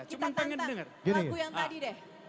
kita tanpa lagu yang tadi deh